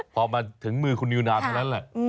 พอมาถึงมือคุณยูนาทั้งนั้นแหละ